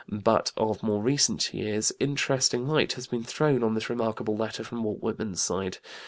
But of more recent years interesting light has been thrown on this remarkable letter from Walt Whitman's side.